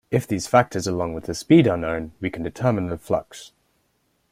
If these factors, along with the speed are known, we can determine the flux.